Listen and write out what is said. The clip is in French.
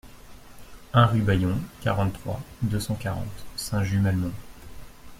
un rue Bayon, quarante-trois, deux cent quarante, Saint-Just-Malmont